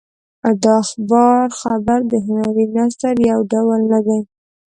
د اخبار خبر د هنري نثر یو ډول نه دی.